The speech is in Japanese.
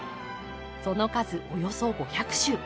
その数およそ５００種。